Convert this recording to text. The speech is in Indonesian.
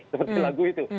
seperti lagu itu